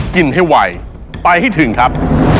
กินให้ไวไปให้ถึงครับ